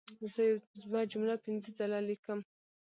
زه یوه جمله پنځه ځله لیکم.